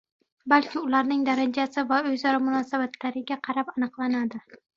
balki ularning darajasi va o‘zaro munosabatlariga qarab aniqlanadi.